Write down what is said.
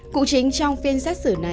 cụ chính trong phiên xét xử